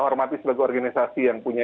hormati sebagai organisasi yang punya